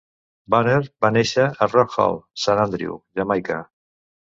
Bonner va néixer a Rock Hall, Saint Andrew, Jamaica.